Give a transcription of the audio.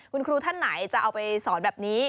คุณครูท่านไหนจะเอาไปสอนแบบนี้